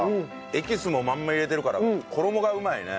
エキスもまんま入れてるから衣がうまいね。